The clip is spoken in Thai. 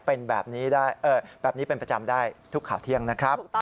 เป็นแบบนี้เป็นประจำได้ทุกข่าวเที่ยงนะครับ